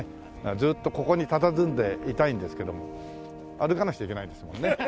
ずっとここにたたずんでいたいんですけども歩かなくちゃいけないんですもんね。